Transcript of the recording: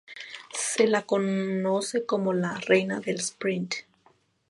Se la conoce como la "reina del sprint".